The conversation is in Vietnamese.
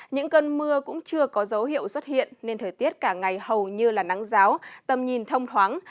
những cơn mưa cũng chưa có dấu hiệu xuất hiện nên thời tiết cả ngày hầu như là nắng giáo tầm nhìn thông thoáng